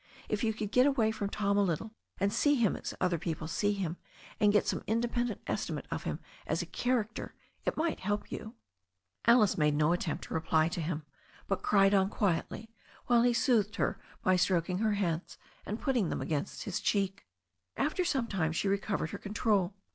If you could get away from Tom a little, and see him as other people see him, and get some independent estimate of him as a character, it might help you." Alice made no attempt to reply to him, but cried on quietly while he soothed her by stroking her hands and put ting them against his cheek. After some time she recovered her control.